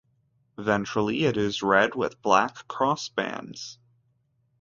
Ventrally it is red with black crossbands.